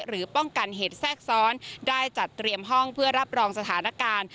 ป้องกันเหตุแทรกซ้อนได้จัดเตรียมห้องเพื่อรับรองสถานการณ์